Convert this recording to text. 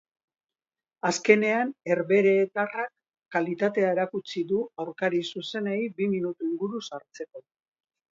Azkenean, herbeheratarrak kalitatea erakutsi du aurkari zuzenei bi minutu inguru sartzeko.